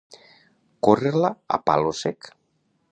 Córrer-la a «palo» sec.